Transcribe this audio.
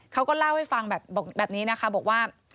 เขาก็เล่าให้ฟังแบบนี้นะคะ